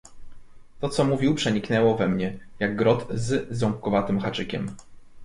"To co mówił przeniknęło we mnie, jak grot z ząbkowatym haczykiem."